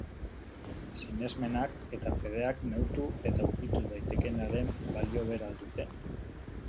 Sinesmenak eta fedeak neurtu eta ukitu daitekeenaren balio bera al dute?